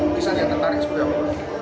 lukisan yang menarik seperti apa